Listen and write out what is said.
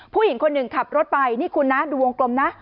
ผู้หญิงคนหนึ่งขับรถไปนี่คุณนะดูวงกลมนะ